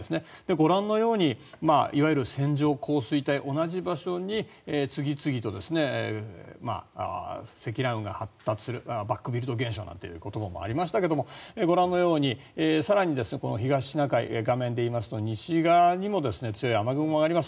ご覧のようにいわゆる線状降水帯同じ場所に次々と積乱雲が発達するバックビルド現象なんていう言葉もありましたけどご覧のように更に東シナ海画面でいいますと西側にも強い雨雲があります。